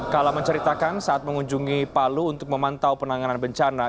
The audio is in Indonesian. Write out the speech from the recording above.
kala menceritakan saat mengunjungi palu untuk memantau penanganan bencana